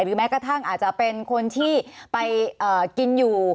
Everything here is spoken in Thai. แม้กระทั่งอาจจะเป็นคนที่ไปกินอยู่